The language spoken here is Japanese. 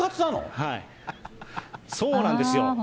そうなんですよ。